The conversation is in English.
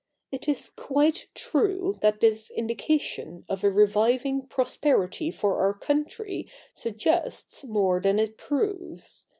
It is quite true that this indication of a reviving prosperity for our country suggests more than it proves.